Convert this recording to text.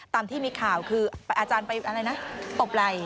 ตามที่มีข่าวคืออาจารย์ไปอะไรนะตบไหล่